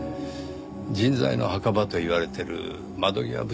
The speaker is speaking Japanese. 人材の墓場と言われてる窓際部署でして。